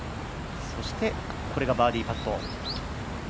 そしてこれがバーディーパット。